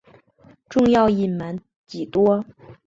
仲要隐瞒几多？